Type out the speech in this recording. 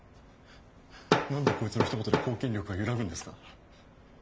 なんでこいつのひと言で公権力が揺らぐんですか？